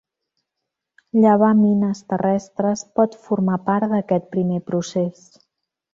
Llevar mines terrestres pot formar part d'aquest primer procés.